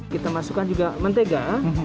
kita masukkan juga mentega